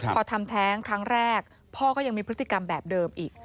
พอทำแท้งครั้งแรกพ่อก็ยังมีพฤติกรรมแบบเดิมอีก